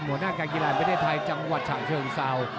หัวหน้าการกีฬาประเทศไทยจังหวัดฉะเชิงเซา